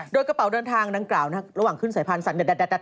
โดยกระเป๋าเดินทางดังกล่าวระหว่างขึ้นสายพันธุเด็ด